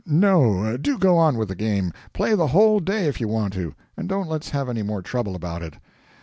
No do go on with the game play the whole day if you want to and don't let's have any more trouble about it!'